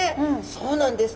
そうなんです。